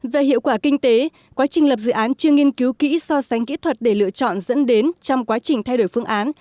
về hiệu quả kinh tế quá trình lập dự án chưa nghiên cứu kỹ so sánh kỹ thuật để lựa chọn dẫn đến trong quá trình thay đổi phương án